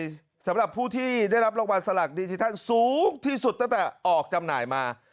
สำหรับผู้ที่ได้รับรางวัลสลากดิจิทัลสูงที่สุดตั้งแต่ออกจำหน่ายมา